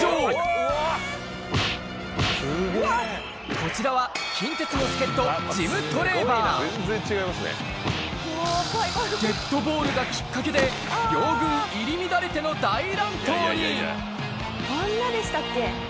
こちらは近鉄の助っ人デッドボールがきっかけで両軍入り乱れてのあんなでしたっけ？